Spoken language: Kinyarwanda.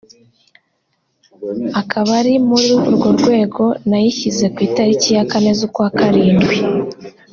Akaba ari muri urwo rwego nayishyize ku itariki ya kane z’ukwarindwi